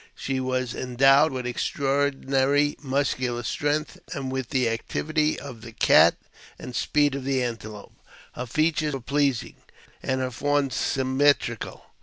She was endowed with extraordinary musculasj strength, with the activity of the cat and the speed of tl antelope. Her features were pleasing, and her form sym metrical.